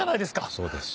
そうです